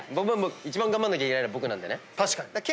一番頑張んなきゃいけないのは僕なんでね。